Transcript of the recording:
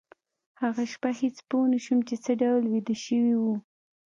هغه شپه هېڅ پوه نشوم چې څه ډول ویده شوي وو